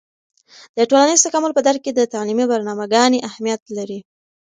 د ټولنیز تکامل په درک کې د تعلیمي برنامه ګانې اهیمت لري.